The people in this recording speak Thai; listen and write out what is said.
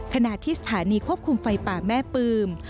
ขณะที่สถานีควบคุมไฟป่าแม่ปืม